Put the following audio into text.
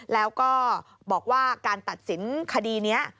แล้วก็บอกว่าการตัดสินคดีนี้